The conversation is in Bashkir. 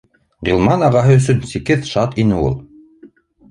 Ғилман ағаһы өсөн сикһеҙ шат ине ул